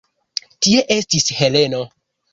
Tie estis Heleno.